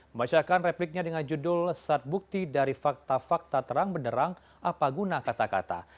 membacakan repliknya dengan judul saat bukti dari fakta fakta terang benderang apa guna kata kata